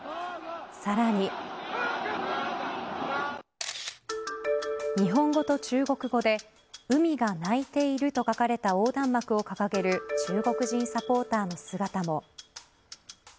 さらに日本語と中国語で海が泣いている、と書かれた横断幕を掲げる中国人サポーターの姿も。